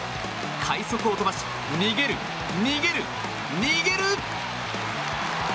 快足を飛ばし逃げる、逃げる、逃げる！